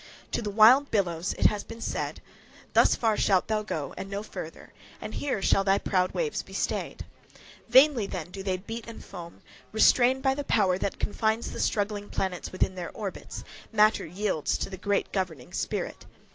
To the wild billows it has been said, "thus far shalt thou go, and no further; and here shall thy proud waves be stayed." Vainly then do they beat and foam, restrained by the power that confines the struggling planets within their orbits, matter yields to the great governing Spirit.